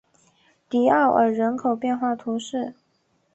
迪奥尔人口变化图示